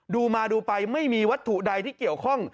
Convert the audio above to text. ดูมาดูไปไม่มีวัตถุใดที่เกี่ยวข้อง